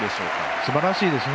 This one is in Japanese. すばらしいですね。